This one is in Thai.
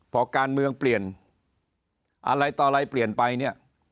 พอการเมืองเปลี่ยนอะไรต่ออะไรเปลี่ยนไปเนี่ย